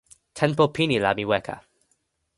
tenpo pini la mi weka.